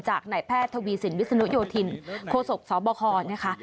จากนายแพทย์ทวีสินวิศนุโยธินโคศกสบคนะคะ